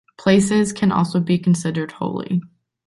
Places can also be considered holy.